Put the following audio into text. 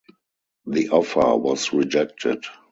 The offer was rejected.